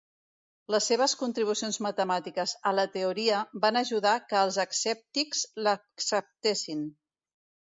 Les seves contribucions matemàtiques a la teoria van ajudar que els escèptics l'acceptessin.